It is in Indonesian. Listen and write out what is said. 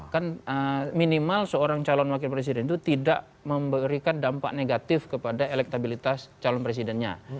kan minimal seorang calon wakil presiden itu tidak memberikan dampak negatif kepada elektabilitas calon presidennya